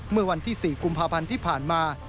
เมื่อวันที่๔กุมภาพันธ์ที่ผ่านมา